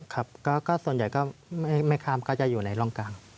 ครับก็ส่วนใหญ่ก็ไม่ข้ามก็จะอยู่ในร่องกลาง